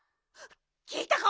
きいたか？